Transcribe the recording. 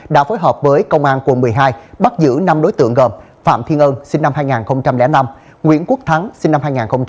đã phối hợp với công an quận một mươi hai bắt giữ năm đối tượng gồm phạm thiên ân sinh năm hai nghìn năm nguyễn quốc thắng sinh năm hai nghìn ba